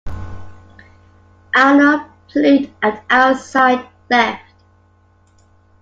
Arnold played at outside left.